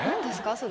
それ。